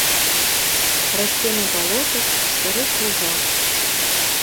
Расце на балотах і сырых лугах.